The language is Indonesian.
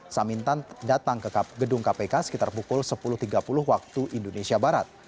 samintan datang ke gedung kpk sekitar pukul sepuluh tiga puluh waktu indonesia barat